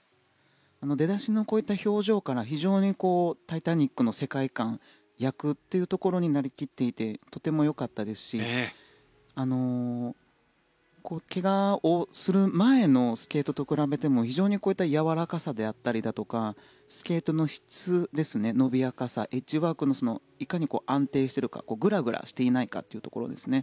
出だしのこういった表情から非常に「タイタニック」の世界観役というところになり切っていてとてもよかったですし怪我をする前のスケートと比べても非常にやわらかさであったりとかスケートの質ですね伸びやかさ、エッジワークのいかに安定してるかグラグラしていないかというところですね。